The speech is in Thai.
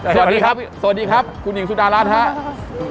สวัสดีครับสวัสดีครับคุณหญิงสุดารัฐครับ